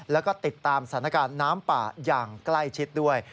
แล้วก็ติดตามสถานการณ์น้ำป่าอย่างใกล้ชิดด้วย